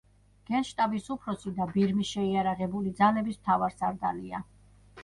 გენშტაბის უფროსი და ბირმის შეიარაღებული ძალების მთავარსარდალია.